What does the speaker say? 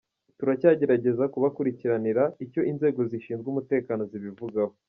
Turacyagerageza kubakurikiranira icyo inzego zishinzwe umutekano zibivugaho